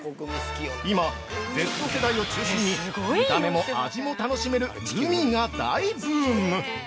◆今、Ｚ世代を中心に見た目も味も楽しめる「グミ」が大ブーム！